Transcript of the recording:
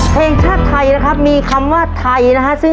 เพียงชาติไทยมีคำว่าไทนะครับ